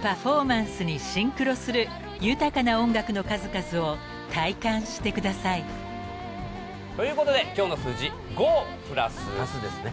［パフォーマンスにシンクロする豊かな音楽の数々を体感してください］ということで今日の数字「５＋」「足す」ですね